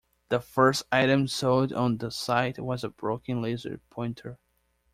The first item sold on the site was a broken laser pointer.